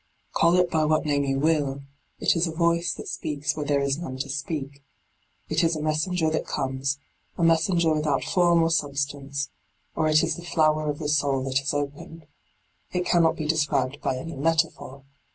Call it by what name you will, it is a voice that speaks where there is none to speak — ^it is a messenger that comes, a messenger without form or substance ; or it is the flower of the soul that has opened. It cannot be described by any metaphor.